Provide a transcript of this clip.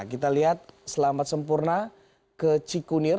kita lihat selamat sempurna ke cikunir